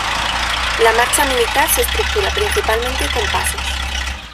La marcha militar se estructura principalmente con pasos.